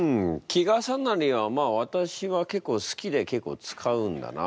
季重なりはわたしは結構好きで結構使うんだな。